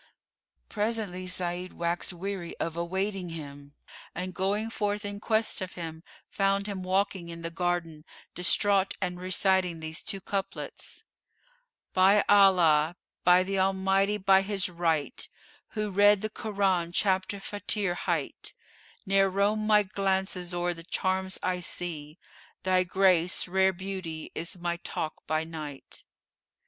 Presently Sa'id waxed weary of awaiting him and going forth in quest of him, found him walking in the garden, distraught and reciting these two couplets, "By Allah, by th' Almighty, by his right[FN#450] * Who read the Koran Chapter 'Fátír[FN#451] hight; Ne'er roam my glances o'er the charms I see; * Thy grace, rare beauty, is my talk by night."